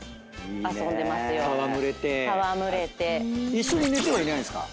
一緒に寝てはいないんすか？